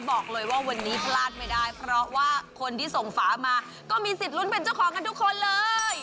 บอกเลยว่าวันนี้พลาดไม่ได้เพราะว่าคนที่ส่งฝามาก็มีสิทธิ์ลุ้นเป็นเจ้าของกันทุกคนเลย